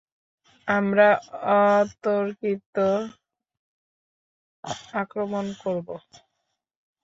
আমরা অতর্কিত আক্রমণ করব।